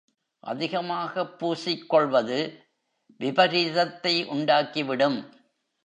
அதிகமாகப் பூசிக்கொள்வது விபரீதத்தை உண்டாக்கி விடும்.